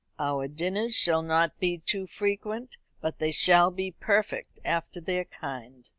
Our dinners shall not be too frequent, but they shall be perfect after their kind."